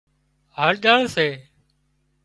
هۯۮۯ سي